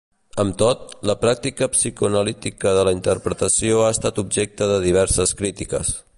Amb tot, la pràctica psicoanalítica de la interpretació ha estat objecte de diverses crítiques.